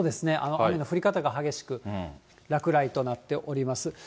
雨の降り方が激しく、落雷となっております。